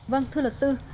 vâng thưa luật sư